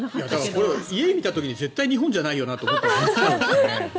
これ、家を見た時に絶対日本じゃないと思った。